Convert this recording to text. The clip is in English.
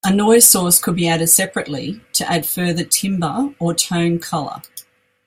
A noise source could be added separately to add further timbre or tone colour.